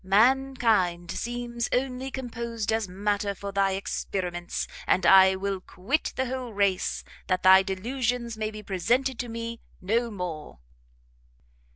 Mankind seems only composed as matter for thy experiments, and I will quit the whole race, that thy delusions may be presented to me no more!"